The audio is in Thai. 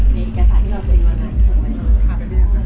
ในเอกสารหรือหรือไม่